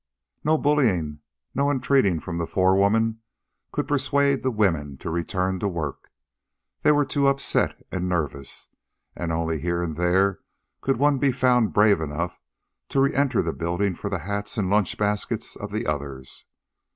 No bullying nor entreating of the forewoman could persuade the women to return to work. They were too upset and nervous, and only here and there could one be found brave enough to re enter the building for the hats and lunch baskets of the others.